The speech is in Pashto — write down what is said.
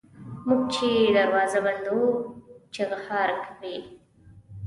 موږ چي دروازه بندوو چیغهار کوي.